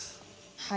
はい。